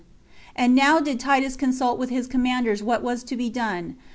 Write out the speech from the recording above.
And now did Titus consult with his commanders what was to be done.